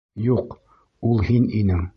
Юҡ, ул һин инең!